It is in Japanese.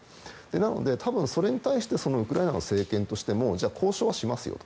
なので、多分それに対してウクライナの政権としてもじゃあ交渉はしますよと。